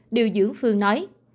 điều dưỡng phương nói